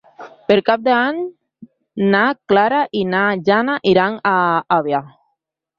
Per Cap d'Any na Clara i na Jana iran a Avià.